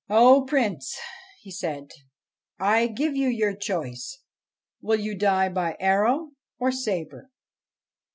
' O Prince,' he said, ' I give you your choice : will you die by arrow or sabre